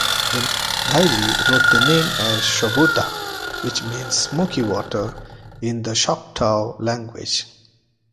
Riley wrote the name as "Chobuta", which means "smoky water" in the Choctaw language.